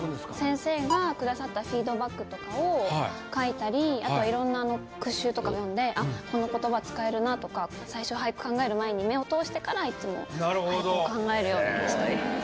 先生が下さったフィードバックとかを書いたりあと色んな句集とか読んであっこの言葉使えるなとか最初俳句考える前に目を通してからいつも俳句を考えるようにしてます。